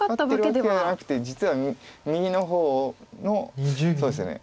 わけではなくて実は右の方のそうですね